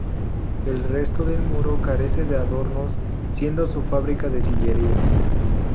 El resto del muro carece de adornos, siendo su fábrica de sillería.